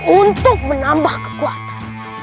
untuk menambah kekuatan